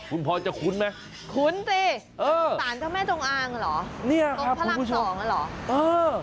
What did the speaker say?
คุณพ่อจะคุ้นไหมคุ้นสิสารเจ้าแม่จงอ้างหรือตรงพระราม๒หรือคุณผู้ชมเออ